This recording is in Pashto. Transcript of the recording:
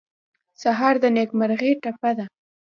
سهار د نیکمرغۍ ټپه ده.